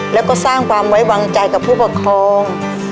แล้วก็สร้างความไว้วางใจกับผู้ปกครอง